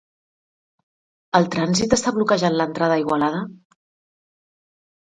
El trànsit està bloquejant l'entrada a Igualada?